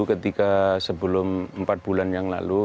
ketika sebelum empat bulan yang lalu